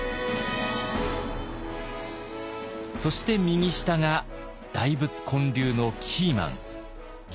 そして右下が大仏建立のキーマン行基です。